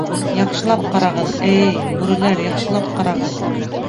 — Яҡшылап ҡарағыҙ, э-эй, бүреләр, яҡшылап ҡарағыҙ!